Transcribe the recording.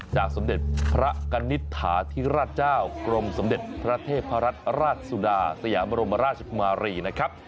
สมเด็จพระกณิตฐาธิราชเจ้ากรมสมเด็จพระเทพรัตนราชสุดาสยามรมราชกุมารีนะครับ